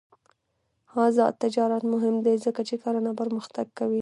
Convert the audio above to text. آزاد تجارت مهم دی ځکه چې کرنه پرمختګ کوي.